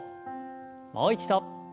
もう一度。